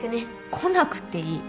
来なくていい。